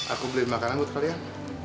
aku beli makanan buat kalian